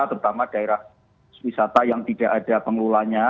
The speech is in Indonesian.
terutama daerah wisata yang tidak ada pengelolanya